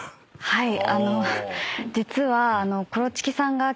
はい。